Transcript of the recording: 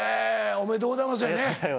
ありがとうございます。